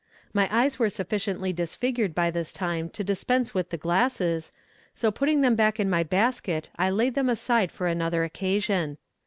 My eyes were sufficiently disfigured by this time to dispense with the glasses, so putting them in my basket I laid them aside for another occasion.